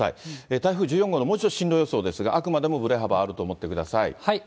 台風１４号の、もう一度進路予想ですが、あくまでもぶれ幅あると思ってください。